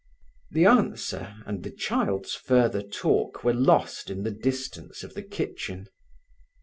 The answer and the child's further talk were lost in the distance of the kitchen.